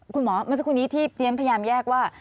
คุณหมอเมื่อสักครู่นี้ที่เรียนพยายามแยกว่า